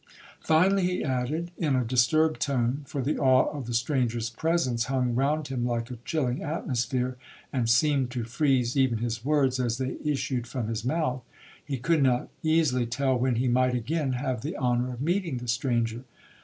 Finally, he added, in a disturbed tone, (for the awe of the stranger's presence hung round him like a chilling atmosphere, and seemed to freeze even his words as they issued from his mouth), he could not—easily—tell when he might again have the honour of meeting the stranger.